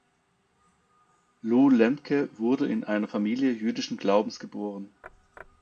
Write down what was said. Lew Lemke wurde in eine Familie jüdischen Glaubens geboren.